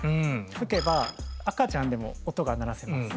吹けば赤ちゃんでも音が鳴らせます。